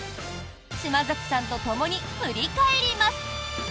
島崎さんとともに振り返ります。